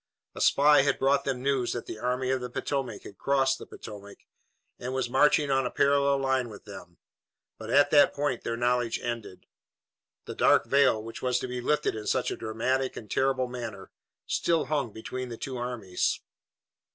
A spy had brought them the news that the Army of the Potomac had crossed the Potomac and was marching on a parallel line with them, but at that point their knowledge ended. The dark veil, which was to be lifted in such a dramatic and terrible manner, still hung between the two armies.